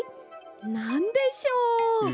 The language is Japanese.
なんでしょう？